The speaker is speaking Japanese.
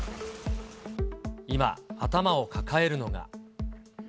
今、頭を抱えるのが。